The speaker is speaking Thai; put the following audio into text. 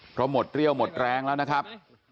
เพราะหมดเรี่ยวหมดแรงแล้วนะครับ